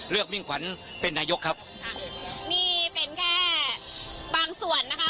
มิ่งขวัญเป็นนายกครับค่ะนี่เป็นแค่บางส่วนนะคะ